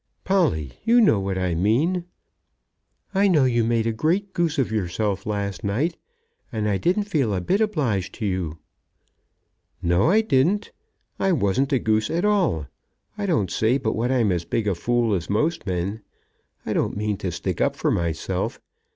"Polly, you know what I mean." "I know you made a great goose of yourself last night, and I didn't feel a bit obliged to you." "No, I didn't. I wasn't a goose at all. I don't say but what I'm as big a fool as most men. I don't mean to stick up for myself.